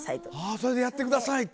それでやってください！って。